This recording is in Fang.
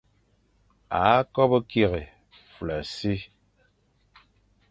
A kobo kig fulassi.